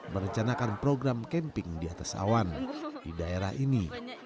merencanakan program camping di atas awan di daerah ini